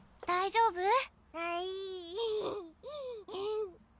大丈夫？